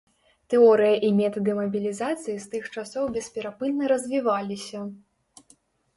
Тэорыя і метады мабілізацыі з тых часоў бесперапынна развіваліся.